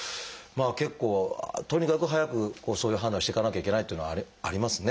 結構とにかく早くそういう判断をしていかなきゃいけないっていうのはありますね。